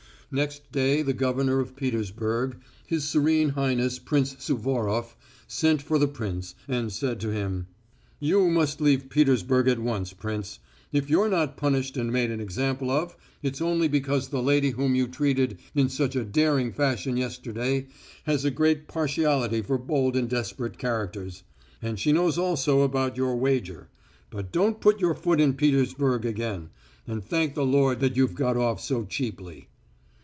Next day the governor of Petersburg His Serene Highness Prince Suvorof sent for the prince, and said to him: "You must leave Petersburg at once, prince. If you're not punished and made an example of, it's only because the lady whom you treated in such a daring fashion yesterday has a great partiality for bold and desperate characters. And she knows also about your wager. But don't put your foot in Petersburg again, and thank the Lord that you've got off so cheaply."